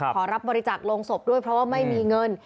ขอรับบริจาคโรงศพด้วยเพราะว่าไม่มีเงิน